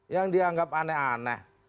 yang dianggap aneh aneh